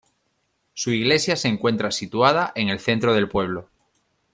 Su iglesia se encuentra situada en el centro del pueblo.